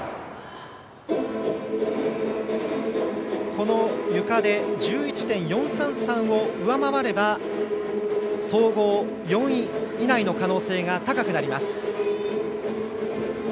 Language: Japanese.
このゆかで１１．４３３を上回れば総合４位以内の可能性が高くなります。